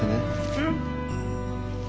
うん。